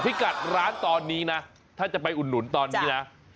พี่กัดร้านตอนนี้นะถ้าจะไปอุดหนุนตอนนี้นะ